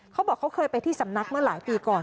เขาบอกเขาเคยไปที่สำนักเมื่อหลายปีก่อน